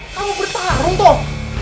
kamu bertarung tom